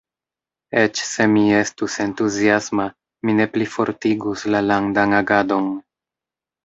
Eĉ se mi estus entuziasma, mi ne plifortigus la landan agadon.